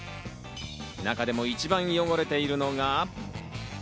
中でも一番汚れているのが。